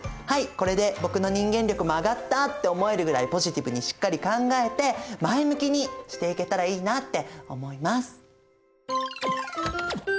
これで僕の人間力も上がった！って思えるぐらいポジティブにしっかり考えて前向きにしていけたらいいなって思います。